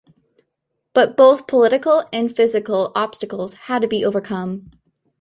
But both political and physical obstacles had to be overcome.